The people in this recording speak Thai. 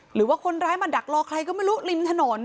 หรือว่าคนร้ายมาดักรอใครก็ไม่รู้ริมถนน